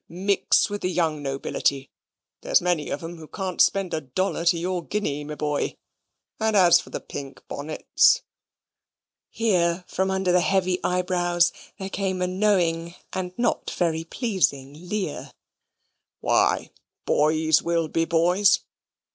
Mix with the young nobility. There's many of 'em who can't spend a dollar to your guinea, my boy. And as for the pink bonnets (here from under the heavy eyebrows there came a knowing and not very pleasing leer) why boys will be boys.